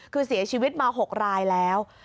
คือเสียชีวิตมา๖รายแล้ว